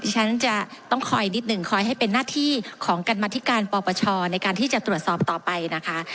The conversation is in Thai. ฉันจะต้องคอยนิดหนึ่งคอยให้เป็นหน้าที่ของกรรมธิการปปชในการที่จะตรวจสอบต่อไปนะคะ